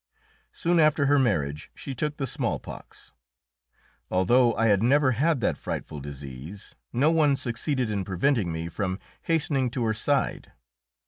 Soon after her marriage she took the smallpox. Although I had never had that frightful disease, no one succeeded in preventing me from hastening to her side.